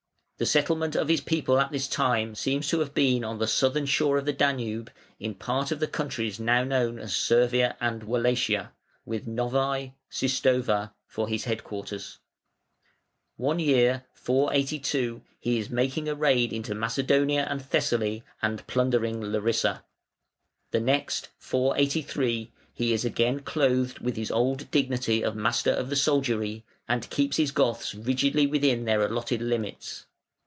The settlement of his people at this time seems to have been on the southern shore of the Danube, in part of the countries now known as Servia and Wallachia, with Novæ (Sistova) for his headquarters. One year (482) he is making a raid into Macedonia and Thessaly and plundering Larissa. The next (483) he is again clothed with his old dignity of Master of the Soldiery and keeps his Goths rigidly within their allotted limits.